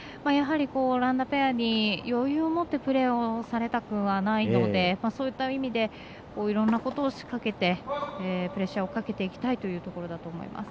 オランダペアに余裕を持ってプレーをされたくはないのでそういった意味でいろんなことを仕掛けてプレッシャーをかけていきたいというところだと思います。